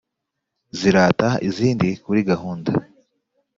Zirata izindi kuri gahunda,